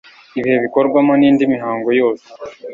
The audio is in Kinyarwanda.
ibihe bikorwamo n indi mihango yose